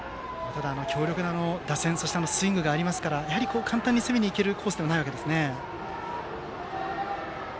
強力な打線そしてスイングがありますからやはり簡単に攻めにいけるコースではないわけですね。